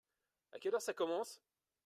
À quelle heure ça commence ?